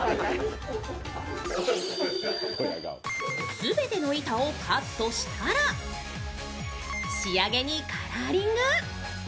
全ての板をカットしたら仕上げにカラーリング。